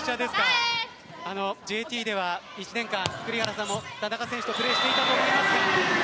ＪＴでは１年間栗原さんも田中選手とプレーしていたと思いますが。